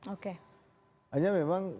oke hanya memang